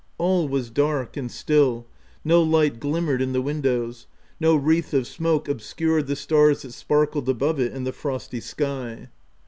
All was dark and still ; no light glimmered in • the windows; no wreath of smoke obscured the stars that sparkled above it in the frosty sky.